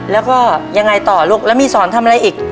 แล้วก็ยังไงต่อลูกแล้วมีสอนทำอะไรอีก